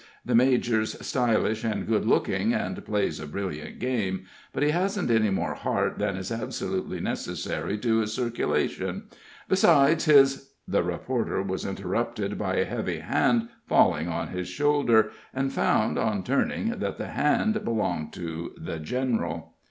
The major's stylish and good looking, and plays a brilliant game, but he hasn't any more heart than is absolutely necessary to his circulation. Besides, his " The reporter was interrupted by a heavy hand falling on his shoulder, and found, on turning, that the hand belonged to "The General."